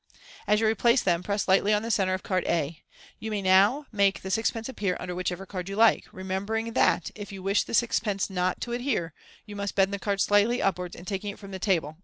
As you replace them, press lightly on the centre of card a. You may now make the sixpence appear under whichever card you like, remembering that, if jrou wish the sixpence not to adhere, you must bend the card slightly upwards in taking it from the table